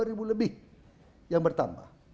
lima puluh dua ribu lebih yang bertambah